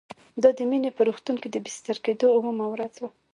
دا د مينې په روغتون کې د بستر کېدو اوومه ورځ وه